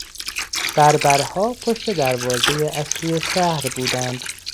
بربرها پشت دروازهی اصلی شهر بودند.